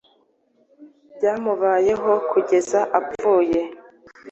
byamubayeho kugeza apfuye,